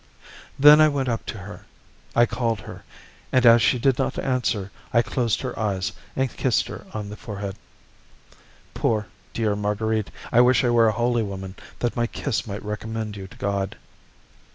Then I went up to her; I called her, and as she did not answer I closed her eyes and kissed her on the forehead. Poor, dear Marguerite, I wish I were a holy woman that my kiss might recommend you to God.